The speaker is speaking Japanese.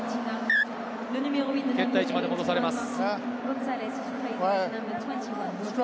蹴った位置まで戻されます。